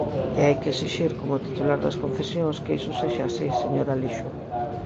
E hai que exixir, como titular das concesións, que iso sexa así, señor Alixo.